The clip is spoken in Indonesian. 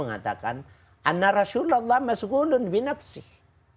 hari hari itu mengatakan